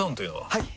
はい！